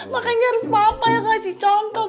makanya harus papa ya kasih contoh